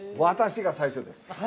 私が最初です。